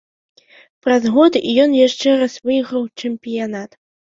Праз год ён яшчэ раз выйграў чэмпіянат.